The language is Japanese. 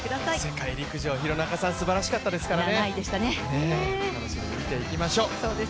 世界陸上、廣中さんすばらしかったですからね。